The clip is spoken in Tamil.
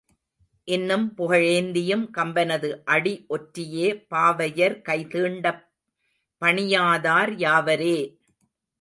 இன்னும் புகழேந்தியும் கம்பனது அடி ஒற்றியே, பாவையர் கை தீண்டப் பணியாதார் யாவரே?